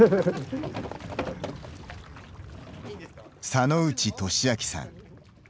佐野内利昭さん。